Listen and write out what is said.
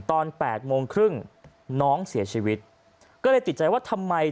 แปดโมงครึ่งน้องเสียชีวิตก็เลยติดใจว่าทำไม